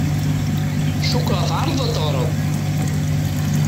Cukkeɣ tɛerḍeḍ ad aɣ-d-teɣṛeḍ.